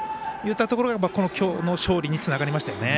それがきょうの勝利につながりましたよね。